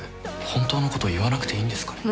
本当のこと言わなくていいんですかね。